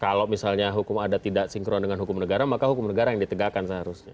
kalau misalnya hukum adat tidak sinkron dengan hukum negara maka hukum negara yang ditegakkan seharusnya